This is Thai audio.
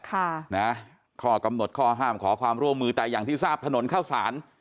ค่ะนะข้อกำหนดข้อห้ามขอความร่วมมือแต่อย่างที่ทราบถนนเข้าสาร